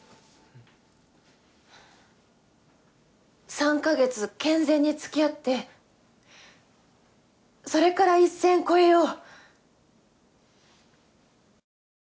３か月健全につきあってそれから一線越えよう！